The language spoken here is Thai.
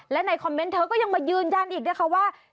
และในคอมเมนต์เธอก็ยังมายืนยันอีกนะคะว่า